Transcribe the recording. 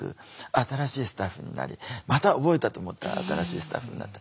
新しいスタッフになりまた覚えたと思ったら新しいスタッフになって。